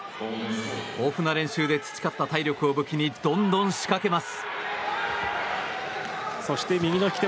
豊富な練習で培った体力を武器にどんどん仕掛けます。